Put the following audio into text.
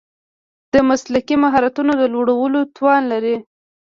د مسلکي مهارتونو د لوړولو توان لري.